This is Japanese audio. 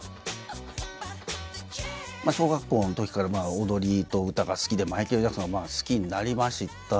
小学校のときから踊りと歌が好きでマイケル・ジャクソンを好きになりました。